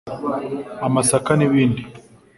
amasaka n’ibindi